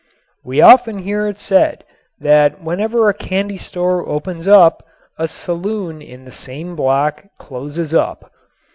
We often hear it said that whenever a candy store opens up a saloon in the same block closes up.